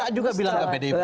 saya juga bilang ke pdip